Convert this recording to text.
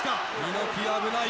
猪木危ない。